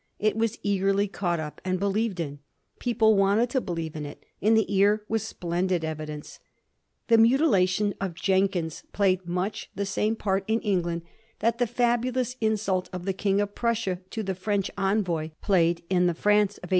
' It was eagerly caught up and be lieved in ; people wanted to believe in it, and the ear was splendid evidence. The mutilation of Jenkins played much the same part in England that the fabulous insult of the King of Prussia to the French envoy played in the France of 1870.